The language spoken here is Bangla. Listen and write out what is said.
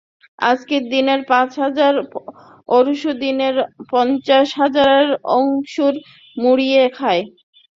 আজকের দিনের পাঁচ হাজার পরশু দিনের পঞ্চাশ হাজারের অঙ্কুর মুড়িয়ে খায়।